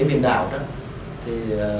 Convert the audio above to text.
biển đảo đó thì